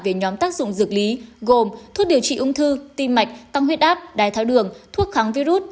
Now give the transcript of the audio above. về nhóm tác dụng dược lý gồm thuốc điều trị ung thư tim mạch tăng huyết áp đai tháo đường thuốc kháng virus